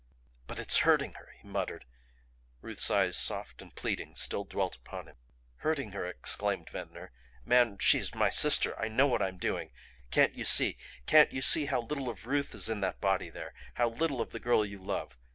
"But it's hurting her," he muttered, Ruth's eyes, soft and pleading, still dwelt upon him. "Hurting her!" exclaimed Ventnor. "Man she's my sister! I know what I'm doing. Can't you see? Can't you see how little of Ruth is in that body there how little of the girl you love?